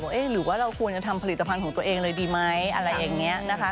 หรือว่าเราควรจะทำผลิตภัณฑ์ของตัวเองเลยดีไหมอะไรอย่างนี้นะคะ